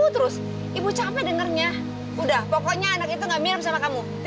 terus ibu capek dengernya udah pokoknya anak itu gak minum sama kamu